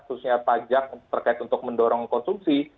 khususnya pajak terkait untuk mendorong konsumsi